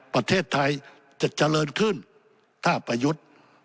ประเทศไทยจะเจริญขึ้นถ้าประยุทธ์